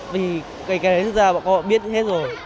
vì cái kiến thức ra bọn con biết hết rồi